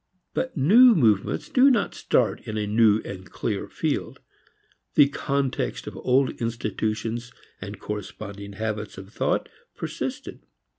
But new movements do not start in a new and clear field. The context of old institutions and corresponding habits of thought persisted.